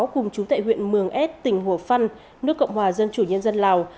cùng chú tại huyện mường ad tỉnh hồ phăn nước cộng hòa dân chủ nhân dân lào